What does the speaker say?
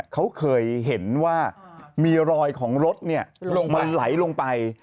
เขาเคยเห็นว่ามีรอยของรถมันไหลลงไป